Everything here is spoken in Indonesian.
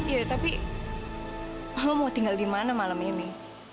iya tapi mama mau tinggal di mana malam ini